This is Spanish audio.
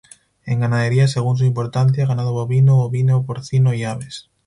En ganadería según su importancia: ganado bovino, ovino, porcino y aves.